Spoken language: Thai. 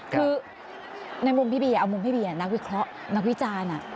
คือในมุมพี่เบียเอามุมพี่เบียร์นักวิเคราะห์นักวิจารณ์